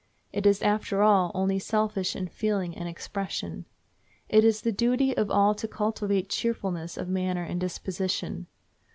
It is, after all, only selfish in feeling and expression. It is the duty of all to cultivate cheerfulness of manner and disposition.